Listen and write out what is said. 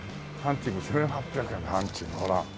１８００円のハンチングほら。